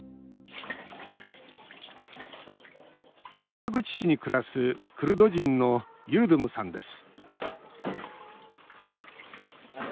川口市に暮らすクルド人のユルドゥムさんです。